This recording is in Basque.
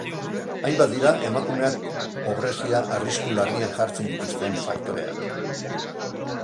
Hainbat dira emakumeak pobrezia arrisku larrian jartzen dituzten faktoreak.